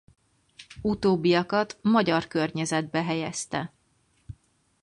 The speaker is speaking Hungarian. Utóbbiakat magyar környezetbe helyezte.